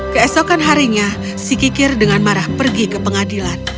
keesokan harinya si kikir dengan marah pergi ke pengadilan